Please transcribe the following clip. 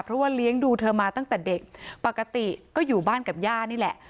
เพราะว่าเลี้ยงดูเธอมาตั้งแต่เด็กปกติก็อยู่บ้านกับย่านี่แหละ